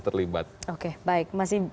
terlibat oke baik masih